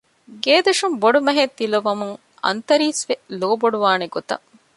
ގޭދޮށުން ބޮޑުމަހެއް ތިލަވުމުން އަންތަރީސްވެ ލޯބޮޑުވާނޭ ގޮތަށް